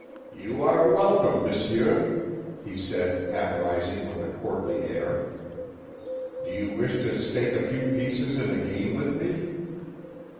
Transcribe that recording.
"You are welcome, monsieur," he said, half rising with a courtly air. "Do you wish to stake a few pieces in a game with me?"